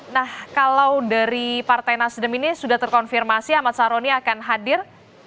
nah kalau dari partai nasdem ini sudah terkonfirmasi ahmad saroni akan hadir